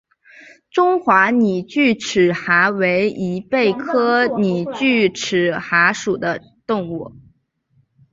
中华拟锯齿蛤为贻贝科拟锯齿蛤属的动物。